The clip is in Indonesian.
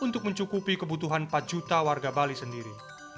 untuk mencukupi kebutuhan empat juta warga bali sendiri